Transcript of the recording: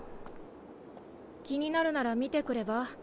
気になるなら見てくれば？